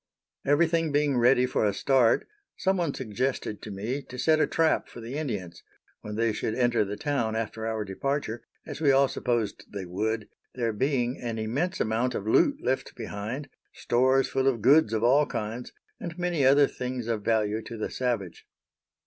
Everything being ready for a start, some one suggested to me to set a trap for the Indians, when they should enter the town after our departure, as we all supposed they would, there being an immense amount of loot left behind, stores full of goods of all kinds, and many other things of value to the savage.